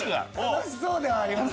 楽しそうではありますかね。